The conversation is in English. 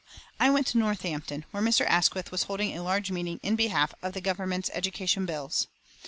U., I went to Northampton, where Mr. Asquith was holding a large meeting in behalf of the Government's education bills.